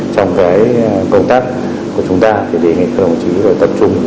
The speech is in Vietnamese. trong cái công tác của chúng ta để nghệ thống chỉ tập trung